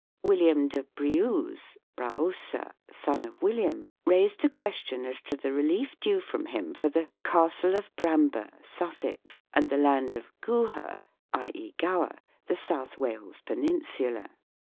William de Briouze (Braosa), son of William, raised a question as to the relief due from him for the "castle of Bramber," Sussex, and the "land of Guher," i.e. Gower, the South Wales peninsula.